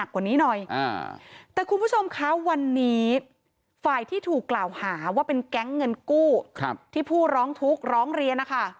กลุ่มแก๊งเงินกู้กลุ่มนี้